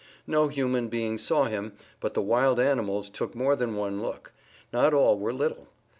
No human beings saw him, but the wild animals took more than one look. Not all were little.